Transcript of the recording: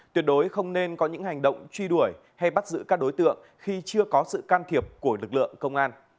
tuyệt đối không nên có những hành động truy đuổi hay bắt giữ các đối tượng khi chưa có sự can thiệp của lực lượng công an